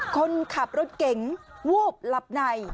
คนขับรถเก๋งวูบหลับใน